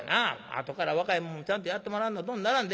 あとから若い者もちゃんとやってもらわんとどんならんで。